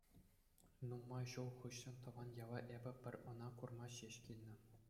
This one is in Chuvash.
Нумай ҫул хыҫҫӑн тӑван яла эпӗ пӗр ӑна курма ҫеҫ килнӗ.